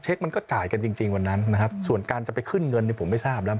มันก็จ่ายกันจริงจริงวันนั้นนะครับส่วนการจะไปขึ้นเงินเนี่ยผมไม่ทราบแล้ว